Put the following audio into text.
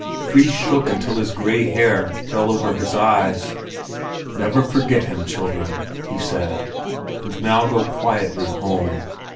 Fris shook his head until his gray hair fell over his eyes. "Never forget him, children!" he said; "and now go quietly home."